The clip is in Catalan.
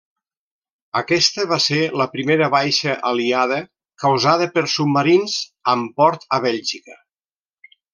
Aquesta va ser la primera baixa aliada causada per submarins amb port a Bèlgica.